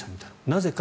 なぜか。